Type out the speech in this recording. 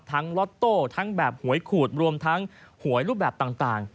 ล็อตโต้ทั้งแบบหวยขูดรวมทั้งหวยรูปแบบต่าง